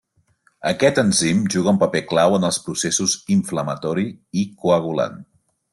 Aquest enzim juga un paper clau en els processos inflamatori i coagulant.